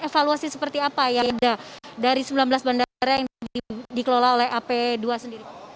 evaluasi seperti apa yang ada dari sembilan belas bandara yang dikelola oleh ap dua sendiri